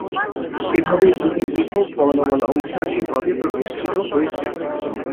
এভাবে দুইটি পৃথক বর্ণমালা ঐতিহাসিকভাবে প্রতিষ্ঠিত হয়েছে।